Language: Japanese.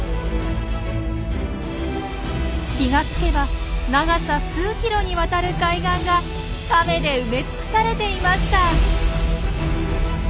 気が付けば長さ数キロにわたる海岸がカメで埋め尽くされていました。